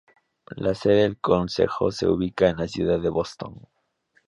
La sede del concejo se ubica en la ciudad de Boston.